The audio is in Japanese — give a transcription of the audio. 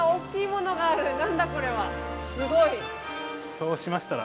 そうしましたら。